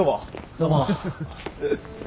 どうも。